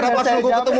kenapa selalu ketemu